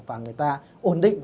và người ta ổn định